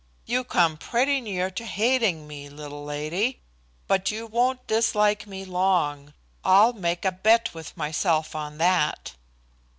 You come pretty near to hating me, little lady. But you won't dislike me long. I'll make a bet with myself on that."